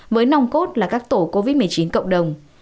với nòng cốt là các tổ covid một mươi chín cộng đồng